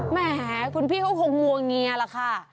แหมคุณพี่เขาคงงวงเงียล่ะค่ะ